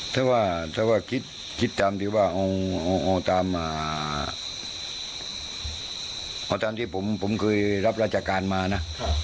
ถ้าว่าคิดตามที่ว่าตามที่ผมเคยรับราชการมานะ